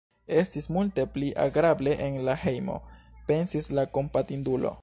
"Estis multe pli agrable en la hejmo," pensis la kompatindulo.